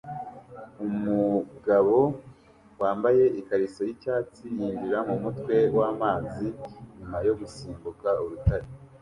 Umugabo wambaye ikariso yicyatsi yinjira mumutwe wamazi nyuma yo gusimbuka urutare